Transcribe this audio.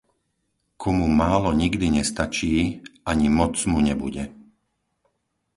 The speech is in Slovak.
Komu málo nikdy nestačí, ani moc mu nebude.